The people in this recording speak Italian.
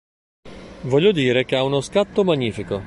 Voglio dire che ha uno scatto magnifico..".